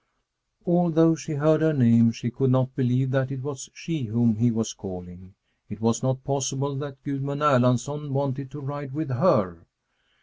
Although she heard her name, she could not believe that it was she whom he was calling. It was not possible that Gudmund Erlandsson wanted to ride with her.